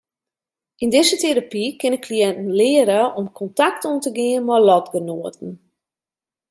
Yn dizze terapy kinne kliïnten leare om kontakt oan te gean mei lotgenoaten.